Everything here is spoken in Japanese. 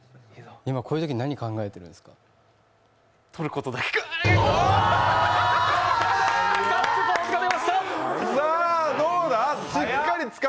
今、こういうとき何考えてるんですか？